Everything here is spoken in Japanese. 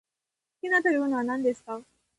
好きな食べ物は何ですか？